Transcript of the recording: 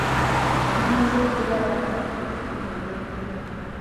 Nga bamaze okulya, baatandika okutumya eby'okulya.